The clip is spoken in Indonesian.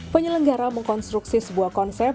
penyelenggara mengkonstruksi sebuah konsep